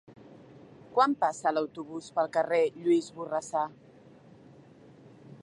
Quan passa l'autobús pel carrer Lluís Borrassà?